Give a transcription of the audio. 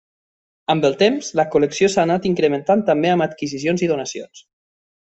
Amb el temps, la col·lecció s'ha anat incrementant també amb adquisicions i donacions.